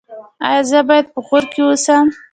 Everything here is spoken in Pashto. ایا زه باید په غور کې اوسم؟